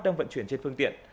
đang vận chuyển trên phương tiện